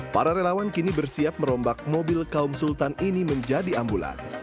para relawan kini bersiap merombak mobil kaum sultan ini menjadi ambulans